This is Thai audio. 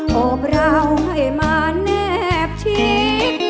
อบราวให้มาแนบชิด